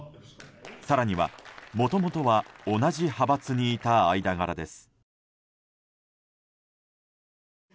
更には、もともとは同じ派閥にいた間柄です。